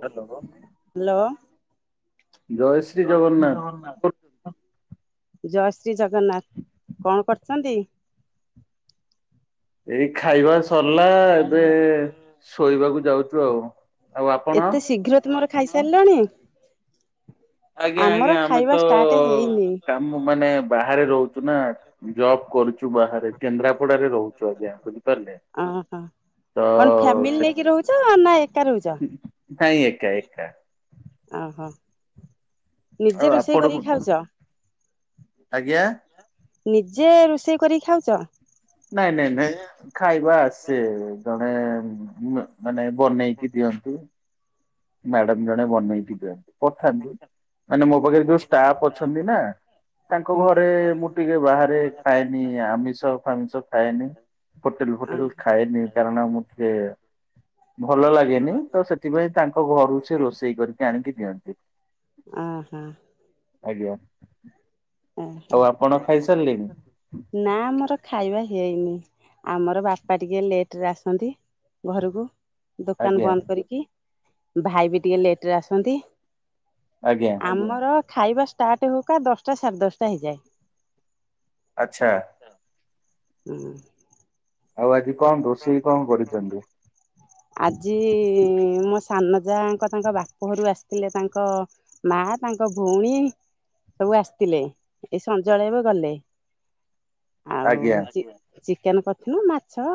Hello? ଜୟ ଶ୍ରୀ ଜଗନ୍ନାଥ! ଜୟ ଶ୍ରୀ ଜଗନ୍ନାଥ, କଣ କରୁଛନ୍ତି? ଏଇ ଖାଇବା ସରିଲା ଏବେ ଶୋଇବାକୁ ଯାଉଛୁ ଆଉ! ଆଉ ଆପଣ? ଶୀଘ୍ର ତୁମର ଖାଇସାରିଲଣି, ଆମର ଖାଇବା ଷ୍ଟାର୍ଟ ହେଇନି! ମୁଁ ମାନେ ବାହାରେ ରହୁଛି ନା ଜବ କରୁଛି! ବାହାରେ କେନ୍ଦ୍ରାପଡାରେ ରହୁଛୁ ଆଜ୍ଞା ବୁଝିପାରି ଲେ ହଁ, କଣ ଫ୍ୟାମିଲି ନେଇକି ରହୁଛ ଆ? ନା ଏକା ରହୁଛ? ନାଇଁ ଏକା ଏକା! ଓହୋ! ନିଜେ ରୋଷେଇ କରିକି ଖାଉଛ? ନିଜେ ରୋଷେଇ କରିକି ଖାଉଛ? ନାଇଁ ନାଇଁ ନାଇଁ ଖାଇବା ଆସେ ଜଣେ ମାନେ ବନେଇକି ଦିଅନ୍ତି! ମ୍ୟାଡାମ ଜଣେ ବନେଇକି ଦିଅନ୍ତି ପଠାନ୍ତି ମାନେ ମୋ ପାଖରେ ଯୋଉ ଷ୍ଟାଫ ଅଛନ୍ତି ନା ତାଙ୍କ ଘରେ ମୁଁ ଟିକେ ବାହାରେ ଖାଏନି ଆମିଷ ଫାମିଷ ଖାଏନି! ହୋଟେଲ ଫୋଟେଲ ରେ ଖାଏନି କାରଣ ମୁଁ ଟିକେ ଭଲ ଲାଗେନି ତ ସେଥିପାଇଁ ତାଙ୍କ ଘରୁ ସେ ରୋଷେଇ କରିକି ଆଣିକି ଦିଅନ୍ତି। ଓଁ ହଁ ଆଜ୍ଞା ଆଉ ଆପଣ ଖାଇ ସାରିଲେଣି? ନା ଆମର ଖାଇବା ହେଇନି ଆମର ବାପା ଟିକେ ଲେଟ ରେ ଆସନ୍ତି। ଘରକୁ ଦୋକାନ ବନ୍ଦ କରିକି ଭାଇ ବି ଟିକେ ଲେଟ ରେ ଆସନ୍ତି ଆଜ୍ଞା। ଆମର ଖାଇବା ଷ୍ଟାର୍ଟ ହେଉକା ଦଶଟା ସାଢ଼େ ଦଶଟା ହେଇଯାଏ। ଆଚ୍ଛା। ହୁଁ। ଆଉ ଆଜି କଣ ରୋଷେଇ କଣ କରିଚନ୍ତି? ଆଜି ମୋ ସାନ ଜା ଙ୍କ ତାଙ୍କ ବାପ ଘରୁ ଆସିଥିଲେ ତାଙ୍କ ମା ତାଙ୍କ ଭଉଣୀ ସବୁ ଆସିଥିଲେ ଏଇ ସଞ୍ଜବେଳେ ଏବେ ଗଲେ। ଆଜ୍ଞା। ଚିକେନ୍ କରିଥିନୁ, ମାଛ,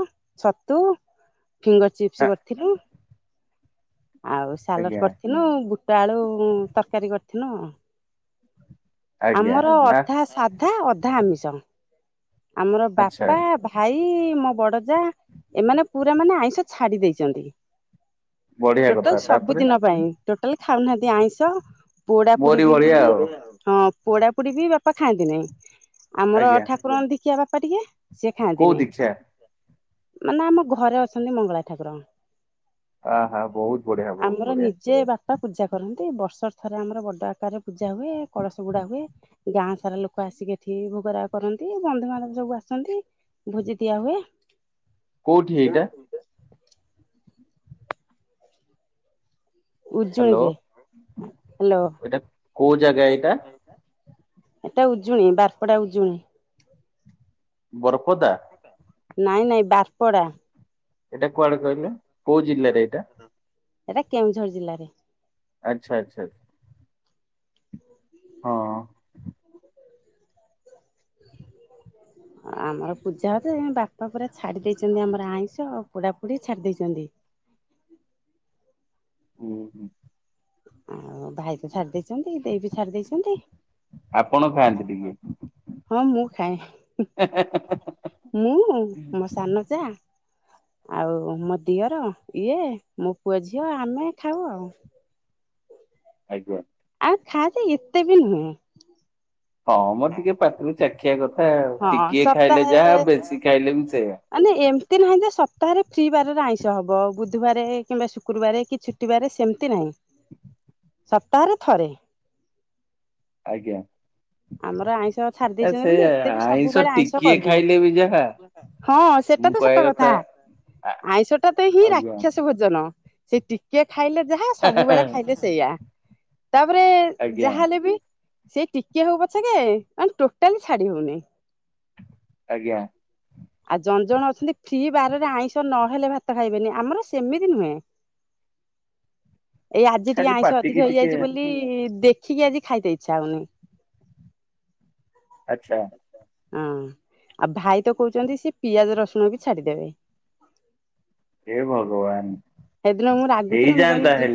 ଛତୁ [unintelligible] ସି କରିଥିଲୁ ଆଉ ସାଲଡ କରିଥିନୁ ବୁ ଟ ଆଳୁ ତରକାରୀ କରିଥିନୁ ଆଉ। ଆମର ଅଧା ସାଧା ଅଧା ଆମିଷ, ଆମର ବାପା ଭା ଭାଇ ମୋ ବଡ ଜା ଏମାନେ ପୁରା ମାନେ ଆଇଁଷ ଛାଡି ଦେଇଚନ୍ତି। ଟୋଟାଲ୍ ସବୁଦିନ ପାଇଁ। ଟୋଟାଲ୍ ଖାଉନାହାନ୍ତି ଆଇଁଷ, ପୋଡାପୋଡି ବି ହଁ। ପୋଡାପୋଡି ବି ବାପା ଖାଆନ୍ତିନେଇଁ, ଆମର ଠାକୁରଙ୍କ ଦୀକ୍ଷା ବାପା ଟିକେ। ସେ ଖାଆନ୍ତି ନେଇଁ, ମାନେ ଆମ ଘରେ ଅଛନ୍ତି ମଙ୍ଗଳା ଠାକୁର। ଆହା ବହୁତ୍ ବଢିଆ ବହୁତ୍ ବଢିଆ। [unintelligible] ପୂଜା କରନ୍ତି ବର୍ଷରେ ଥରେ ଆମର ବଡ ଆକାରରେ ପୂଜା ହୁଏ କଳସ ବୁଡା ହୁଏ। ଗାଁ ସାରା ଲୋକ ଆସିକି ଏଠି ଭୋଗ ରାଗ କରନ୍ତି। ବନ୍ଧୁବାନ୍ଧବ ସବୁ ଆସନ୍ତି, ଭୋଜି ଦିଆ ହୁଏ। କୋଉଠି ଏଇଟା? ଉଜୁଣି ରେ ହାଲୋ। ଏଟା ଉଜୁଣି ବାରପଡା ଉଜୁଣି। ବରପଦା? ନାଇଁ-ନାଇଁ ବାରପଡା। ଏଇଟା କୁଆଡେ କହିଲେ, କୋଉ ଜିଲ୍ଲାରେ ଏଇଟା? ଏଇଟା କେଉଁଝର ଜିଲ୍ଲାରେ। ଆଚ୍ଛା-ଆଚ୍ଛା। ହଁ। ଆମର ପୂଜା [unintelligible] ବାପା ପୁରା ଛାଡ଼ି ଦେଇଚନ୍ତି ଆମର ଆଇଁଷ ପୋଡ଼ାପୁଡ଼ି ଛାଡ଼ି ଦେଇଚନ୍ତି। ହ ଆଉ ଭାଇ ବି ଛାଡି ଦେଇଚନ୍ତି ଦେଇ ବି ଛାଡି ଦେଇଚନ୍ତି। ହଁ ମୁଁ ଖାଏ ହିଁ। ମୁଁ ମୋ ସାନ ଜା ଆଉ ମୋ ଦିଅର ଇଏ ମୋ ପୁଅ ଝିଅ ଆମେ ଖାଉ ଆଉ। [unintelligible] [unintelligible] ଏତେ ବି ନୁହେଁ। ହଁ ମ ଟିକେ [unintelligible] ଚାଖିଆ କଥା ଆଉ, ଟିକିଏ ଖାଇଲେ ଯାହା ବେଶୀ ଖାଇଲେ ବି ସେଇଆ। ମାନେ ଏମ୍ତି ନାହିଁ ଯେ ସପ୍ତାହରେ ଫ୍ରି ବାରରେ ଆଇଁଷ ହବ, ବୁଧବାରେ କିମ୍ବା ଶୁକ୍ରୁବାରେ କି ଛୁ ଟି ବାରେ ସେମ୍ତି ନାହିଁ। ସପ୍ତାହରେ ଥରେ। ଆଜ୍ଞା। ଆମର ଆଇଁଷ ଛାଡି ଦେଇଚନ୍ତି ବୋଲି ଏତେ ବି ସବୁବେଳେ ଆଇଁଷ କରୁନା। ହଁ ସେଟା ତ ସତ କଥା, ଆଇଁଷ ଟା ତ ହିଁ ରାକ୍ଷାସ ଭୋଜନ। ସେ ଟିକେ ଖାଇଲେ ଯାହା ସବୁବେଳେ ଖାଇଲେ ସେଇଆ। ତାପରେ ଯାହା ହେଲେ ବି ସେଇ ଟିକେ ହଉ ପଛ ମାନେ ଟୋଟାଲି ଛାଡି ହଉନି। ଆଜ୍ଞା। ଆଉ ଜଣେ ଜଣେ ଅଛନ୍ତି ଫ୍ରି ବାରରେ ଆଇଁଷ ନହେଲେ ଭାତ ଖାଇବନି ଆମର ସେମିତି ନୁହେଁ। [inaudible] ଏଇ ଆଜି ଟିକେ ଆଇଁଷ ଅଧିକ ହେଇଯାଇଛି ବୋଲି ଦେଖିକି ଆଜି ଖାଇତେ ଇଚ୍ଛା ହଉନି। ଆଚଛା। ହଁ ଆଉ ଭାଇ ତ କହୁଛନ୍ତି ସେ ପିଆଜ ରସୁଣ ବି ଛାଡିଦେବେ। ସେଦିନ ମୁଁ ରାଗୁଥିନି ମୁଁ କହିଲି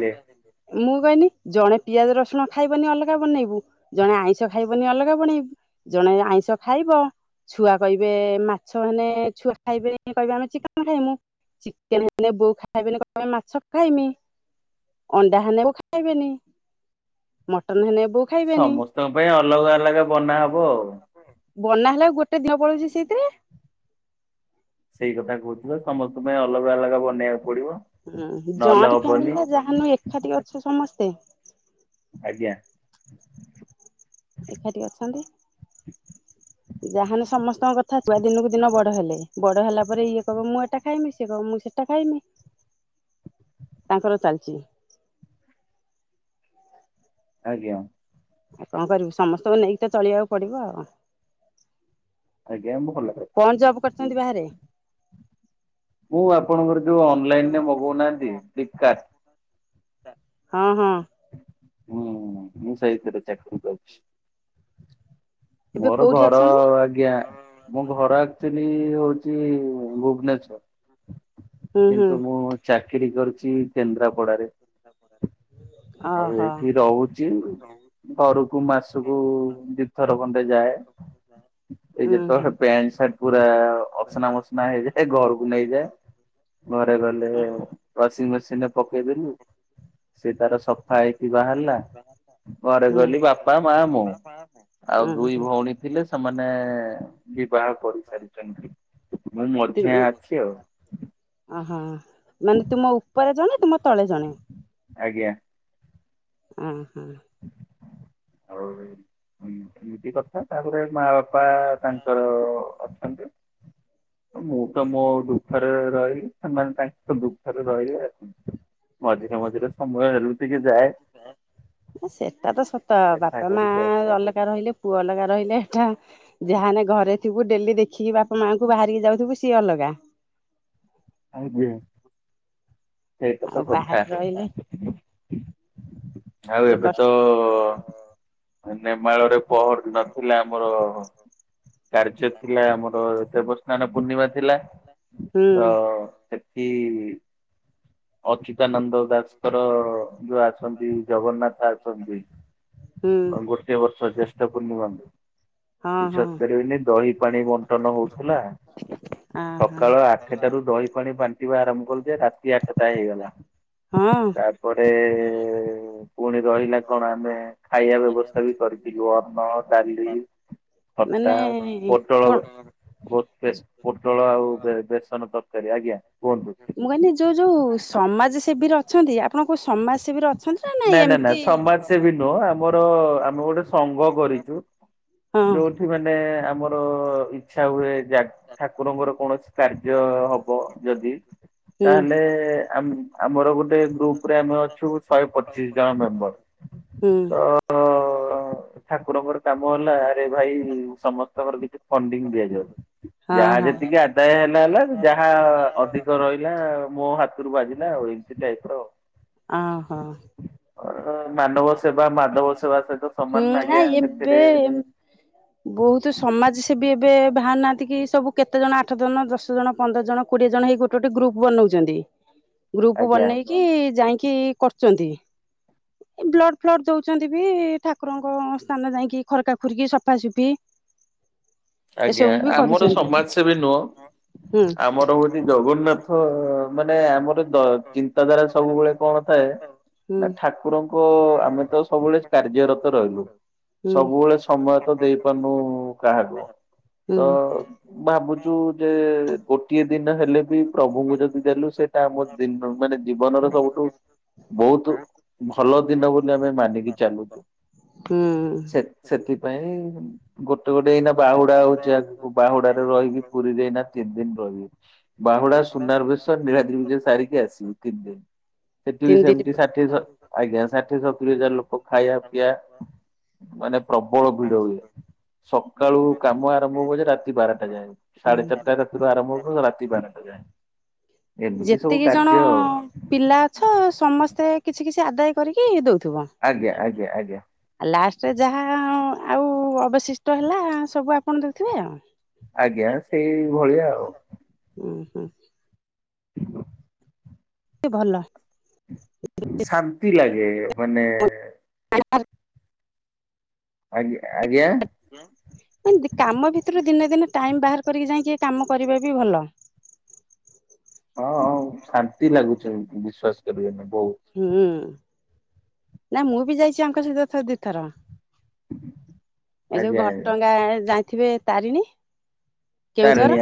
ମୁଁ କହନି, ଜଣେ ପିଆଜ ରସୁଣ ଖାଇବନି ଅଲଗା ବନେଇବୁ। ଜଣେ ଆଇଁଷ ଖାଇବନି ଅଲଗା ବାନେଇବୁ। ଜଣେ ଆଇଁଷ ଖାଇବ, ଛୁଆ କହିବେ ମାଛ ହେନେ ଛୁଆ ଖାଇବେ କହିବେ ଆମେ ଚିକେନ ଖାଇମୁ। ଚିକେନ ହେଲେ ବୋଉ ଖାଇବେନି କହିବେ ମାଛ ଖାଇମୀ। ଅଣ୍ଡା ହେନେ ବୋଉ ଖାଇବେନି। ମଟନ ହେନେ ବୋ ସମସ୍ତଙ୍କ ପାଇଁ ଅଲଗା ଅଲଗା ବନା ହବ ଆଉ। ବନା ହେଲା ଆଉ ଗୋଟେ ଦିନ ପଳଉଛି ସେଥିରେ। ସେଇ କଥା କହୁଥିବା ସମସ୍ତଙ୍କ ପାଇଁ ଅଲଗା ଅଲଗା ବନେଇବାକୁ ପଡିବ। ହଁ ଜଏଣ୍ଟ ଫ୍ୟାମିଲି ଯାହା ହେଲେ ଏକାଠି ଅଛୁ ସମସ୍ତେ। ଆଜ୍ଞା। ଏକାଠି ଅଛନ୍ତି। [inaudible] ଯାହେନେ ସମସ୍ତଙ୍କ କଥା ଛୁଆ ଦିନକୁ ଦିନ ବଡ ହେଲେ ବଡ ହେଲା ପରେ ଇଏ କହ ମୁଁ ଏଟା ଖାଇମି ସିଏ କହ ମୁଁ ସେ ଟା ଖାଇମି। [inaudible] ତାଙ୍କର ଚାଲିଛି। ଆଜ୍ଞା। ଆଉ କଣ କରିବି ସମସ୍ତଙ୍କୁ ନେଇକି ତ ଚଳେଇିବାକୁ ପଡିବ ଆଉ। କଣ ଜବ କରିଛନ୍ତି ବାହାରେ? ମୁଁ ଆପଣଙ୍କର ଯୋଉ ଅନଲାଇନ ରେ ମଗଉନାହାନ୍ତି ଫ୍ଲିପକାର୍ଡ। ହଁ ହଁ ହୁଁ ମୁଁ ସଇଥିରେ ଚାକିରି କରଛି। ମୋର ଘର ଆ ଆଜ୍ଞା, ମୋ ଘର ଆକ୍ଚୁଲି ହଉଛି ଭୁବନେସର। କିନ୍ତୁ ମୁଁ ଚାକିରି କରିଚି କେନ୍ଦ୍ରାପଡାରେ। ଆଉ ଏଇଠି ରହୁଛି ଘରକୁ ମାସକୁ ଦିଥର [unintelligible] ଯାଏ। ଏଇ ଯେତେବେଳେ ପ୍ୟାଣ୍ଟ ସାର୍ଟ ପୁରା ଅସନା ମସନା ହେଇଯାଏ ଘରକୁ ନେଇଯାଏ। ଘରେ ଗଲେ ୱାସିଂ ମେସିନରେ ପକେଇଦଲୁ ସେ ତାର ସଫା ହେଇକି ବାହାରିଲା। ଘରେ ଗଲି ବାପା ମା ମୁଁ ଆଉ ଦୁଇ ଭଉଣୀ ଥିଲେ ସେମାନେ ବିବାହ କରିସାରିଛନ୍ତି। ମଝିଆଁ ଅଛି। ଓହୋ ମାନେ ତୁମ ଉପରେ ଜଣେ ତୁମ ତଳେ ଜଣେ? ଆଜ୍ଞା। ଉୁଁ ହୁଁ ହଉ ହଁ ଏମିତି କଥା ତାପରେ ମା ବାପା ତାଙ୍କର ଅଛନ୍ତି। ମୁଁ ତ ମୋ ଦୁଃଖରେ ରହିଲି ସେମାନେ ତାଙ୍କ ତ ଦୁଃଖରେ ରହିବେ। ମଝିରେ ମଝିରେ ସମୟ ହେଲୁ ଟିକେ ଯାଏ। ସେଟା ତ ସତ ବାପା ମା ଗଲେ ରହିଲେ ପୁଅ ଲଲଗା ରହିଲେ। ଏଟା ଯାହାହାନେ ଘରେ ଥିବୁ ଡେଲି ଦେଖ ଆଖିକ ବାପା ମାଆଙ୍କୁ ବାହାରିକି ଯାଉଥିବୁ ସିଏ ଅଲଗା। ଅଜ୍ଞ୍ୟା ସେଇଟା ତ କଥା। ଆଉ ଏବେ ତ ରେମାଳ ରେ ପହର ଦିନ ଥିଲା ଆମର କାର୍ଯ୍ୟ ଥିଲା ଆମର ଦେବ ସ୍ନାନ ପୂର୍ଣ୍ଣିମା ଥିଲା ତ ସେଠୀ ଅଚିତାନନ୍ଦ ଦାସଙ୍କର ଯୋଉ ଅଛନ୍ତି ଜଗନ୍ନାଥ ଅଛନ୍ତି। ଗୋଟେ ବର୍ଷ ଜ୍ୟଷ୍ଠ ପୁର୍ଣିମାକୁ ବିଶ୍ବାସ କରିବେନି ଦହି ପାଣି ବଣ୍ଟନ ହଉଥିଲା, ସକାଳ ଆ ସେଠାରୁ ଦହି ପାଣି ବାଣ୍ଟିବା ଆରମ୍ଭ କଲୁ ଯେ, ରାତି ଆଠଟା ହେଇଗଲା। ତାପରେ ଫୁଣି ରହିଲା କଣ ଆମେ ଖାଇବା ବ୍ୟବସ୍ଥା ବି କରିଥିଲୁ ଅନ୍ନ, ଡାଲି, ଖଟା, ପୋଟଳ ପୋତେ ପୋଟଳ ଆଉ ବେ-ବେସନ ତରକାରୀ ଆଜ୍ଞା। ମୁଁ କହିଲି ଯୋଉ ଯୋଉ ସମାଜ ସେବୀରେ ଅଛନ୍ତି, ଆପଣ କୋଉ ସମାଜ ସେବୀରେ ଅ ଅଛନ୍ତି ନା ଏମିତି ହଁ। ଏଠି ମାନେ ଆମର ଇଚ୍ଛା ହୁଏ ଯା-ଠାକୁରଙ୍କର କୌଣସି କାର୍ଯ୍ୟ ହବ ଯଦି, ତାହେଲେ ଆମ ଆମର ଗୋଟେ ଗ୍ରୁପରେ ଆମେ ଅଛୁ ଶହେ ପଚିଶି ଜଣ ମେମ୍ବର। ହୁଁ। ଠାକୁରଙ୍କର କାମ ହେଲା ଆରେ ଭାଇ ସମସ୍ତଙ୍କର କିଛି ଫଣ୍ଡିଙ୍ଗ ଦିଆଯାଉ। ହଁ ହଁ। ଯେତିକି ଆଦାୟ ହେଲା ହେଲା, ଯାହା ଅଧିକ ରହିଲା ମୋ ହାତରୁ ବାଜିଲା ଆଉ ଏମତି ଟାଇପ୍ ର। ଆହୋ। ମାନବ ସେବା ମାଧବ ସେବା ସହିତ ସମାନ ନା ଆଜ୍ଞା ସେଥିରେ। ବୋହୁତ୍ ସମାଜ ସେବୀ ଏବେ ବାହାରି ନାହାନ୍ତି କି ସବୁ କେତେଜଣ ଆଠ ଜଣ ଦଶ ଜଣ ପନ୍ଦର ଜଣ କୋଡ଼ିଏ ଜଣ, ହେଇ ଗୋଟେ ଗଟେ ଗ୍ରୁପ୍ ବନାଉଛନ୍ତି। ଗ୍ରୁପ୍ ବନେଇକି ଯାଇକି କରୁଛନ୍ତି। ଏ ବ୍ଲଡ୍ ଫ୍ଲଡ୍ ଦଉଛନ୍ତି ବି, ଠାକୁରଙ୍କ ସ୍ଥାନ ଯାଇକି ଖରକା ଖରିକି ସଫାସଫି ଆଜ୍ଞା। ଆମର ସମାଜ ସେବୀ ନୁହଁ। ଆମର ହଉଛି ଜଗନ୍ନାଥ, ମାନେ ଆମର ଚିନ୍ତାଧାରା ସବୁବେଳେ କଣ ଥାଏ? ନା ଠାକୁରଙ୍କ ଆମେ ତ ସବୁବେଳେ କାର୍ଯ୍ୟରତ ରହିଲୁ। ସବୁବେଳେ ସମୟ ତ ଦେଇପାରୁନୁ କାହାକୁ, ତ ଭାବୁଛୁ ଯେ ଗୋଟିଏ ଦିନ ହେଲେ ବି ପ୍ରଭୁଙ୍କୁ ଯଦି ଦେଲୁ ସେଟା ଆମ ଦିନ ମାନେ ଜୀବନର ସବୁଠୁ ବୋହୁତୁ ଭଲ ଦିନ ବୋଲି ଆମେ ମାନିକି ଚାଲୁଛୁ। ସେ ସେଥିପାଇଁ ଗୋଟେ, ଗୋଟେ ଏଇନା ବାହୁ ହଉଛି ଆଗକୁ ବାହୁଡାରେ ରହିକି ପୁରୀ ରେ ଏଇନା ତିନି ଦିନ୍ ରହିବୁ। ବାହୁଡା ସୁନା ର ବେଶ ତ ନିଳାଦ୍ରି ବିଜେ ସାରିକି ଆସିବୁ, ତିନି ଦିନ୍। ସେଠି ବି ସେମିତି ଷାଠିଏ ଶହ -ଆଜ୍ଞା ଷାଠିଏ ସତୁରି ହଜାର ଲୋକ ଖାଇବା ପିଇବା ମାନେ ପ୍ରବଳ ଭିଡ ହୁଏ। ସକାଳୁ କାମ ଆରମ୍ଭ ହବ ଯେ ରାତି ବାରଟା ଯାଏ। ସାଢେ ଚାରିଟା ରାତିରୁ ଆରମ୍ଭ ହବ ରାତି ବାରଟା ଯାଏ। ଏମିତି ସବୁ କାର୍ଯ୍ୟ ଆଉ। ପିଲା ଅଛ ସମସ୍ତେ କିଛି କିଛି ଆଦାୟ କରିକି ଦଉଥିବ? ଆଜ୍ଞା, ଆଜ୍ଞା, ଆଜ୍ଞା। ଲାଷ୍ଟରେ ଯାହା ଆଉ ଅବଶିଷ୍ଟ ହେଲା ସବୁ ଆପଣ ଦେଉଥିବେ ଆଉ? ଆଜ୍ଞା ସେଇ ଭଳିଆ ଆଉ। ଉଁ ହୁଁ। ଏ ଭଲ। ଶାନ୍ତି ଲାଗେ ମାନେ [unintelligible] ଆଜ୍ଞ ଆଜ୍ଞା। ମିତି କାମ ଭିତୁରୁ ଦିନେ ଦିନେ ଟାଇମ ବାହାର କରିକି ଯାଇଁକି ଏ କାମ କରିବା ବି ଭଲ। ହଁ ହଁ ଆଉ ଶାନ୍ତି ଲାଗୁଚି ବିସ୍ୱାଶ କରିବେନି ବହୁତ। ହୁଁ ନା ମୁଁ ବି ଯାଇଚି ଆଙ୍କ ସହିତ ଥରେ ଦି ଥର। ଏ ଯୋଉ ଘଟଙ୍ଗା ଯାଣିଥିବେ ତାରିଣୀ। କେଉଁଝର।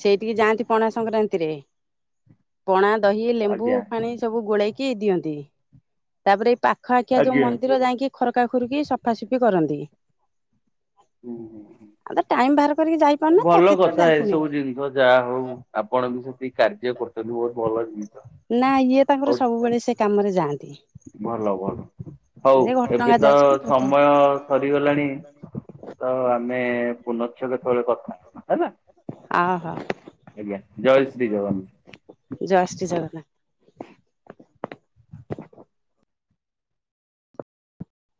ସେଇଠିକି ଯାଆନ୍ତି ପଣା ସଂକ୍ରାନ୍ତିରେ ପଣା ଦହି ଲେମ୍ବୁ ପାଣି ସବୁ ଗୋଳେଇକି ଦିଅନ୍ତି ତାପରେ ଏଇ ପାଖ ଆଖିଆ ଯୋଉ ମନ୍ଦିର ଯାଇଁକି ଖରକା ଖୁରୁକି ସଫାସୁଫି କରନ୍ତି। ଆଉ ତ ଟାଇମ୍ ବାହାର କରିକି ଯାଇପାରୁନୁ [unintelligible] ଯାହା ହୋଉ ଆପଣ ବି ସେତିକି କାର୍ଯ୍ୟ କରୁଚନ୍ତି ବହୁତ ଭଲ ଜିନିଷ। ନା ଇଏ ତାଙ୍କର ସବୁବେଳେ ସେ କାମରେ ଯାଆ ଭଲ ଭଲ। ହୋଉ ଏବେ ତ ସମୟ ସରିଗଲାଣି ତ ଆମେ ପୂର୍ଣ୍ଣଛେଦ ପରେ କଥା ହେଲା। ଆଉ ହ। ଆଜ୍ଞା ଜୟ ଶ୍ରୀ ଜଗନ୍ନାଥ। ଜୟ ଶ୍ରୀ ଜଗନ୍ନାଥ।